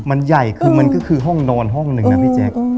มันใหญ่คือมันก็คือห้องนอนห้องหนึ่งนะพี่แจ๊ค